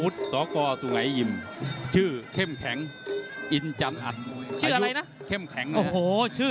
สกสุงัยยิมชื่อเข้มแข็งอินจันทร์อัตชื่ออะไรนะเข้มแข็งโอ้โหชื่อ